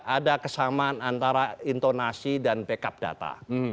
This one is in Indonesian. ada kesamaan antara intonasi dan backup data